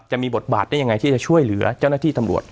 จะมีบทบาทได้ยังไงที่จะช่วยเหลือเจ้าหน้าที่ตำรวจ